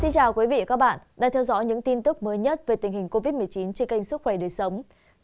chào các bạn đã theo dõi những tin tức mới nhất về tình hình covid một mươi chín trên kênh sức khỏe đời sống